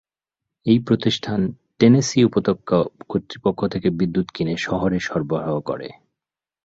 এই প্রতিষ্ঠান টেনেসি উপত্যকা কর্তৃপক্ষ থেকে বিদ্যুৎ কিনে শহরে সরবরাহ করে।